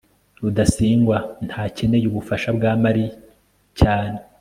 rudasingwa ntakeneye ubufasha bwa mariya cyane